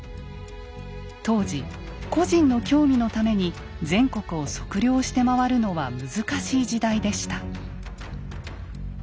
当時個人の興味のために全国を測量して回るのは難しい時代でした。